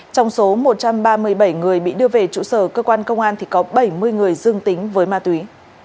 trong số một trăm ba mươi bảy người bị đưa về trụ sở cơ quan công an có bảy mươi người dương tính với ma túy